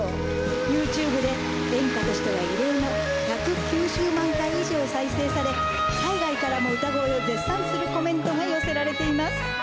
ＹｏｕＴｕｂｅで演歌としては異例の１９０万回以上再生され海外からも歌声を絶賛するコメントが寄せられています。